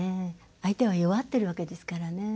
相手は弱ってるわけですからね。